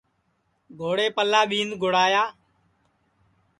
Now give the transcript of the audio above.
گھوڑیپلا ٻِیند گُڑایا